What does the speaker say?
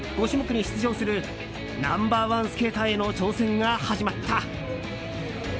５種目に出場するナンバー１スケーターへの挑戦が始まった。